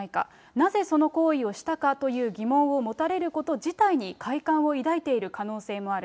なぜその行為をしたかという疑問を持たれること自体に快感を抱いている可能性もある。